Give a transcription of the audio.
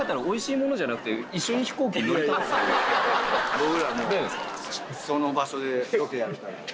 僕らはもうその場所でロケやるから。